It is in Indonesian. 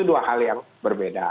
itu dua hal yang berbeda begitu